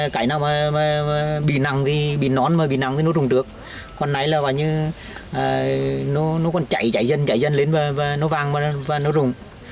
cái nào mà bị nặng thì bị nón mà bị nặng thì nó rùng trước còn nãy là gọi như nó còn chạy chạy dân chạy dân lên và nó vàng và nó rùng